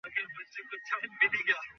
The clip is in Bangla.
হেই, এটা গ্রামে ফেরার পথ নয়।